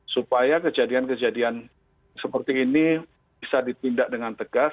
supaya kejadian kejadian seperti ini bisa ditindak dengan tegas